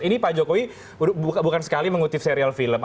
ini pak jokowi bukan sekali mengutip serial film